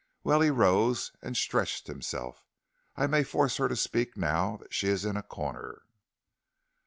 Well," he rose and stretched himself, "I may force her to speak now that she is in a corner."